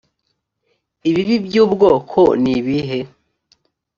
ibibi by ubwoko nibihe